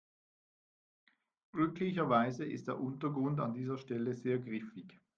Glücklicherweise ist der Untergrund an dieser Stelle sehr griffig.